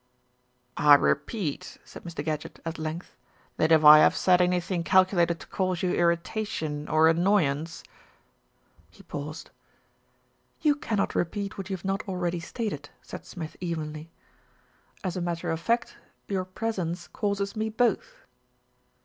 "I repeat," said Mr. Gadgett at length, "that if I have said anything calculated to cause you irritation or annoyance " He paused. 246 THE RETURN OF ALFRED "You cannot repeat what you have not already stated," said Smith evenly. "As a matter of fact, your presence causes me both."